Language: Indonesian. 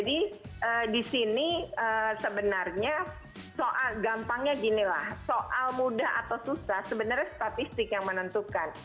di sini sebenarnya soal gampangnya ginilah soal mudah atau susah sebenarnya statistik yang menentukan